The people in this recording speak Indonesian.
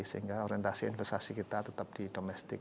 sehingga orientasi investasi kita tetap di domestik